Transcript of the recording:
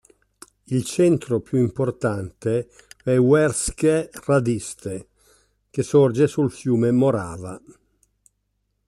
Il centro più importante è Uherské Hradiště, che sorge sul fiume Morava.